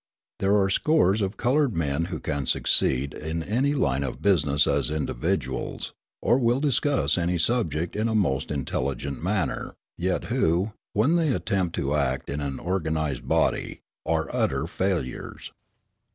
There are scores of coloured men who can succeed in any line of business as individuals, or will discuss any subject in a most intelligent manner, yet who, when they attempt to act in an organised body, are utter failures.